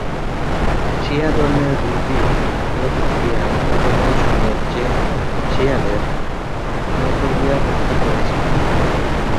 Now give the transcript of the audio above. শিয়া ধর্মের বৃদ্ধির প্রতিক্রিয়ায় অটোমান সাম্রাজ্য শিয়াদের আনাতোলিয়ায় হত্যা করেছিল।